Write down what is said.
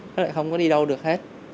nó lại không có đi đâu được hết